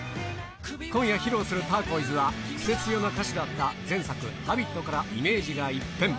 今夜披露するターコイズは、クセ強な歌詞だった前作、Ｈａｂｉｔからイメージが一変。